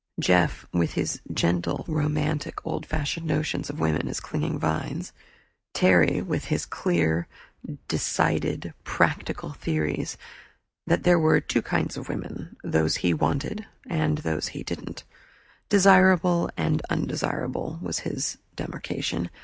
Jeff, with his gentle romantic old fashioned notions of women as clinging vines. Terry, with his clear decided practical theories that there were two kinds of women those he wanted and those he didn't; Desirable and Undesirable was his demarcation.